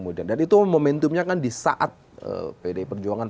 dan itu momentumnya kan di saat pdi perjuangan